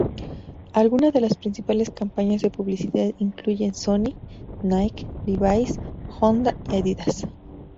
Algunas de las principales campañas de publicidad incluyen Sony, Nike, Levi’s, Honda y Adidas.